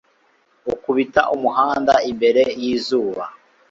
ukubita umuhanda mbere y'izuba